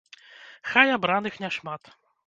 Хай абраных не шмат.